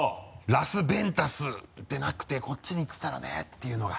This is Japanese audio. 「ラス・ベンタス」でなくてこっちにいってたらねっていうのが。